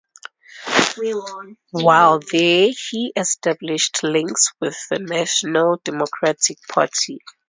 While there, he established links with the National Democratic Party.